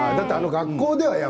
学校ではね